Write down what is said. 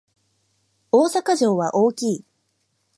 大阪城は大きい